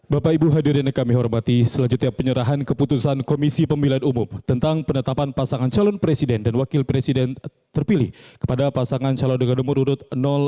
bapak ibu hadirin yang kami hormati selanjutnya penyerahan keputusan komisi pemilihan umum tentang penetapan pasangan calon presiden dan wakil presiden terpilih kepada pasangan calon dengan nomor urut satu